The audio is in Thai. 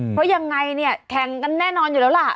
เพราะยังไงเนี่ยแข่งกันแน่นอนอยู่แล้วล่ะ